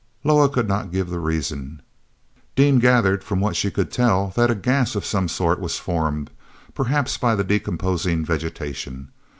Loah could not give the reason. Dean gathered from what she could tell that a gas of some sort was formed, perhaps by the decomposing vegetation.